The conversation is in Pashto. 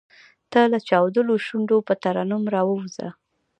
تۀ لۀ چاودلو شونډو پۀ ترنم راووځه !